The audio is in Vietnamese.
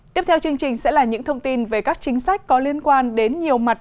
tiếp theo chương trình sẽ là những thông tin về các chính sách có liên quan đến nhiều mặt